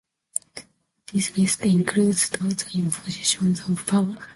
This list includes those in positions of power.